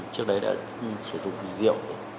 trước đấy đã sử dụng rượu